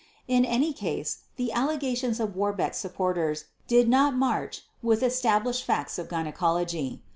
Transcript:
In any case the allegations of Warbeck's supporters did not march with established facts of gynecology.